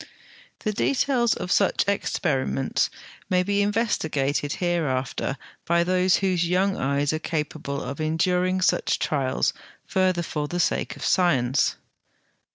The details of such experiments may be investigated hereafter by those whose young eyes are capable of enduring such trials further for the sake of science.